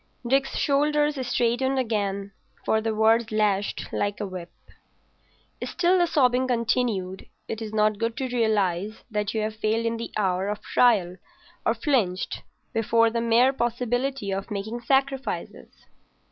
Dick's shoulders straightened again, for the words lashed like a whip. Still the sobbing continued. It is not good to realise that you have failed in the hour of trial or flinched before the mere possibility of making sacrifices.